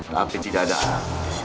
tapi tidak ada anakmu di sini